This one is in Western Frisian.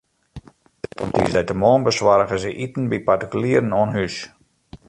Op tiisdeitemoarn besoargje se iten by partikulieren oan hûs.